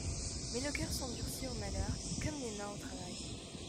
Mais le cœur s'endurcit au malheur comme les mains au travail.